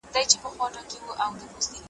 په وطن كي عدالت نسته ستم دئ ,